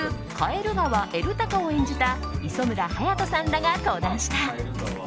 エル隆を演じた磯村勇斗さんらが登壇した。